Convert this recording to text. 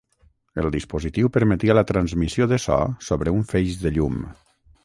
El dispositiu permetia la transmissió de so sobre un feix de llum.